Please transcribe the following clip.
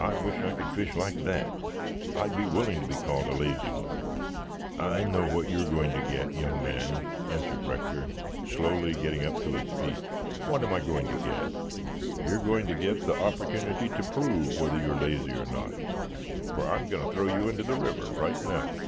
I wish I could fish like that. I'd be willing to be called a lazy one." "I know what you are going to get, young man," answered Rector, slowly getting to his feet. "What am I going to get?" "You're going to get the opportunity to prove whether you are lazy or not, for I'm going to throw you into the river right now."